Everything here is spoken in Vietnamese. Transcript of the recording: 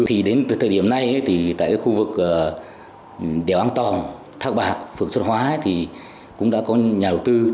thì đến thời điểm này thì tại khu vực đèo an toàn thác bạc phượng xuất hóa thì cũng đã có nhà đầu tư